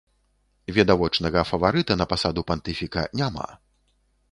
Відавочнага фаварыта на пасаду пантыфіка няма.